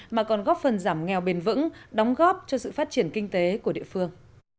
mà còn góp phần giảm nghèo bền vững đóng góp cho sự phát triển kinh tế của địa phương